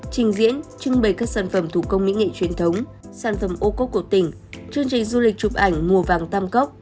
trình diễn trưng bày các sản phẩm thủ công mỹ nghệ truyền thống sản phẩm ô cốp của tỉnh chương trình du lịch chụp ảnh mùa vàng tam cốc